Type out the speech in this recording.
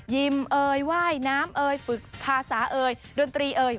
ิมเอยว่ายน้ำเอ่ยฝึกภาษาเอยดนตรีเอ่ย